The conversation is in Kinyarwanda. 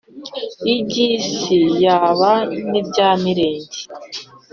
iby’isi yaba n’ibya mirenge